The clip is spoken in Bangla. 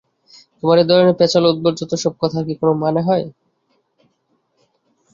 তোমার এ ধরনের প্যাঁচালো উদ্ভট যত সব কথার কি কোনো মানে হয়?